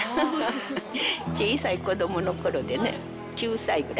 小さい子どものころでね、９歳ぐらい。